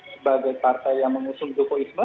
sebagai partai yang mengusung joko isma